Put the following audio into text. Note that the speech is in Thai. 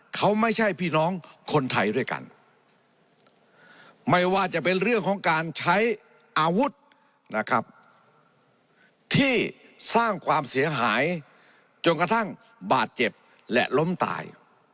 เขาไม่ใช่พี่น้องคนไทยด้วยกันไม่ว่าจะเป็นเรื่องของการใช้อาวุธนะครับที่สร้างความเสียหายจนกระทั่งบาดเจ็บและล้มตาย